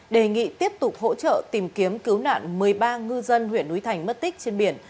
đề nghị tiếp tục hỗ trợ tìm kiếm cứu nạn một mươi ba ngư dân huyện núi thành mất tích trên biển